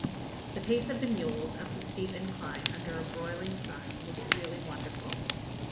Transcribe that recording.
The pace of the mules, up the steep incline, under a broiling sun, was really wonderful.